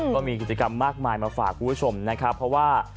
ก็มีกิจกรรมมากมายมาฝากคุณผู้ชมนะครับเพราะว่า